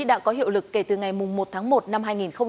đã có hiệu lực kể từ ngày một tháng một năm hai nghìn hai mươi